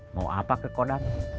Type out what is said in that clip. mau apa ke kodam